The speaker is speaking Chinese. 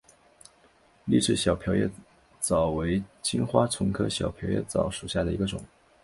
丽翅小瓢叶蚤为金花虫科小瓢叶蚤属下的一个种。